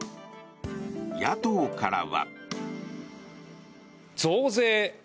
野党からは。